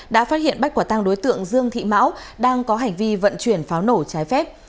đã phát hiện bắt quả tăng đối tượng dương thị mão đang có hành vi vận chuyển pháo nổ trái phép